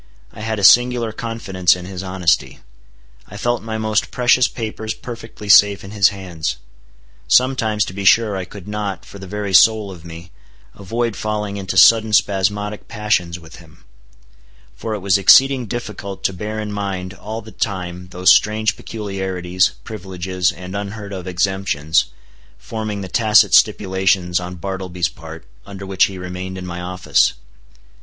I had a singular confidence in his honesty. I felt my most precious papers perfectly safe in his hands. Sometimes to be sure I could not, for the very soul of me, avoid falling into sudden spasmodic passions with him. For it was exceeding difficult to bear in mind all the time those strange peculiarities, privileges, and unheard of exemptions, forming the tacit stipulations on Bartleby's part under which he remained in my office.